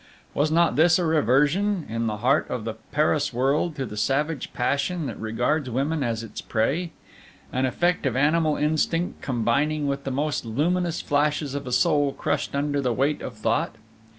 Was not this a reversion, in the heart of the Paris world, to the savage passion that regards women as its prey, an effect of animal instinct combining with the almost luminous flashes of a soul crushed under the weight of thought?